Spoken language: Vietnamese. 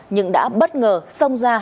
nhưng đã bất ngờ xông ra